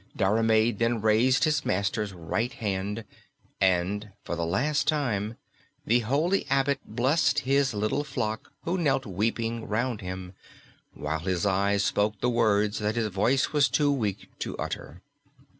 Diarmaid then raised his master's right hand, and for the last time the holy abbot blessed his little flock who knelt weeping round him, while his eyes spoke the words that his voice was too weak to utter.